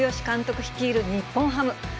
監督率いる日本ハム。